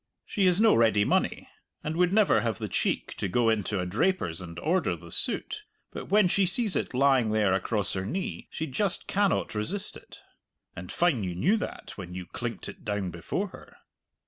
She has no ready money, and would never have the cheek to go into a draper's and order the suit; but when she sees it lying there across her knee, she just cannot resist it. (And fine you knew that when you clinked it down before her!)